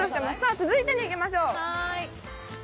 続いてに行きましょう。